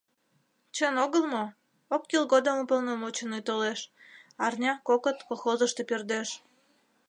— Чын огыл мо: ок кӱл годым уполномоченный толеш, арня — кокыт колхозышто пӧрдеш.